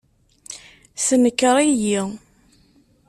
Tenker-iyi.